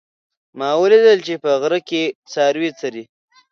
ما ولیدل چې په غره کې څاروي څري